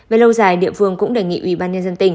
về lâu dài địa phương cũng đề nghị ubnd